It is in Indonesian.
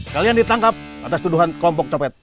kalian ditangkap atas tuduhan kelompok copet